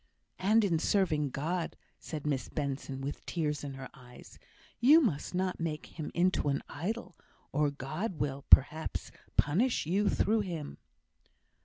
"And in serving God!" said Miss Benson, with tears in her eyes. "You must not make him into an idol, or God will, perhaps, punish you through him."